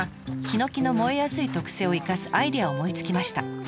ヒノキの燃えやすい特性を生かすアイデアを思いつきました。